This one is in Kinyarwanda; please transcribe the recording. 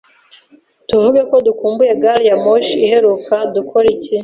Tuvuge ko dukumbuye gari ya moshi iheruka, dukore iki?